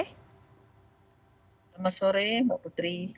selamat sore mbak putri